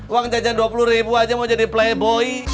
uang jajan dua puluh ribu aja mau jadi playboi